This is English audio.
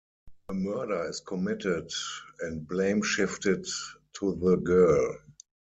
A murder is committed and blame shifted to the girl.